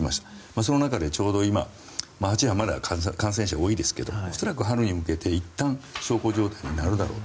その中でちょうど今、８波は感染者多いですが恐らく春に向けて、いったん小康状態になるだろうと。